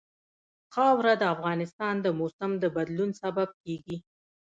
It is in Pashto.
خاوره د افغانستان د موسم د بدلون سبب کېږي.